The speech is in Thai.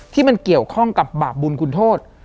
ที่มันเกี่ยวข้องกับบาปบุญคุณโทษ